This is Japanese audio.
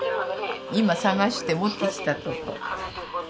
今探して持ってきたとこ。